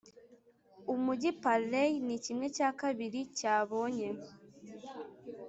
umujyi parleys ni kimwe cya kabiri cyabonye.